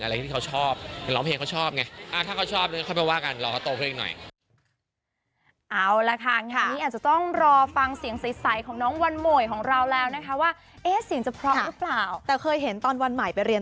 อะไรที่เขาชอบหรือร้องเพลงเขาชอบไง